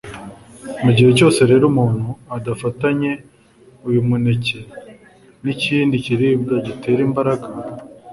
Mu gihe cyose rero umuntu adafatanye uyu muneke n’ikindi kiribwa gitera imbaraga